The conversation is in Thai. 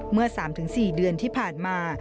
เมื่อ๓๔เดือนที่ผ่านมา